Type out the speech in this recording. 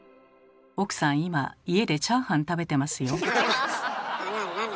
奥さん今家でチャーハン食べてますよ。